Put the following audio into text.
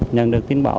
nhận được tin báo